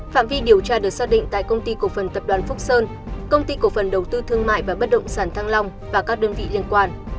phạm vi điều tra được xác định tại công ty cổ phần tập đoàn phúc sơn công ty cổ phần đầu tư thương mại và bất động sản thăng long và các đơn vị liên quan